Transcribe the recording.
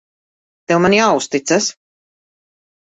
Tev man jāuzticas.